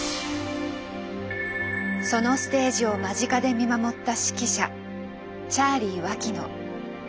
そのステージを間近で見守った指揮者チャーリィ脇野。